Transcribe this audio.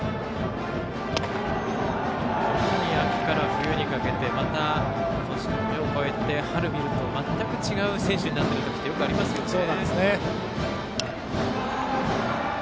特に秋から冬に向けまた年を越えて春に見ると全く違う選手になってる時よくありますよね。